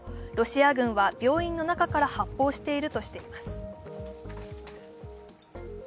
ロシア軍は病院の中から発砲しているとしています。